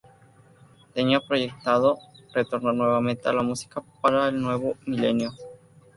Tenía proyectado retornar nuevamente a la música para el nuevo milenio.